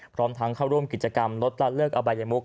พร้อมทั้งเข้าร่วมกิจกรรมลดละเลิกอบายมุก